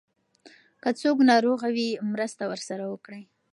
که څوک ناروغ وي مرسته ورسره وکړئ.